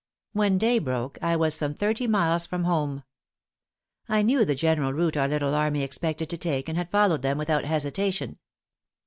When day broke I was some thirty miles from home. I knew the general route our little army expected to take, and had followed them without hesitation.